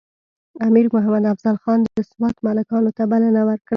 امیر محمد افضل خان د سوات ملکانو ته بلنه ورکړه.